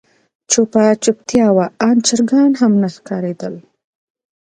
چوپه چوپتيا وه آن چرګان هم نه ښکارېدل.